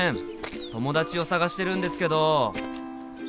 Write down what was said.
友達を捜してるんですけど。